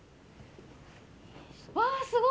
わあすごい！